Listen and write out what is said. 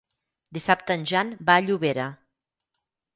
Dissabte en Jan va a Llobera.